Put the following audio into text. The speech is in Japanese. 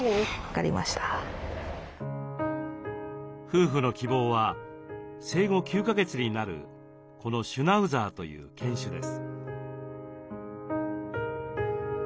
夫婦の希望は生後９か月になるこのシュナウザーという犬種です。